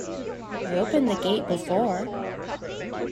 I opened the gate before.